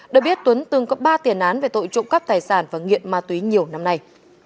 được biết tuấn từng có ba tiền án về tội trộm cắp tài sản và nghiện ma túy nhiều năm nay